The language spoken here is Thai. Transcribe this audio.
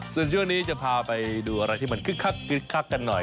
ส่วนช่วงนี้จะพาไปดูอะไรที่มันคึกคักคึกคักกันหน่อย